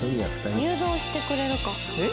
誘導してくれるか。